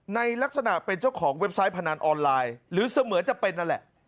ในลักษณะเป็นเจ้าของเว็บไซต์พนันออนไลน์หรือเสมือนจะเป็นนั่นแหละ